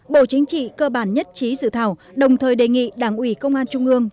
bộ chính trị cơ bản nhất trí dự thảo đồng thời đề nghị đảng ủy công an trung ương